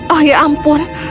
oh ya ampun